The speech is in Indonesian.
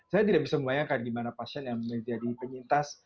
saya tidak bisa membayangkan gimana pasien yang menjadi penyintas